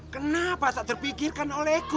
kenapa tak terpikirkan olehku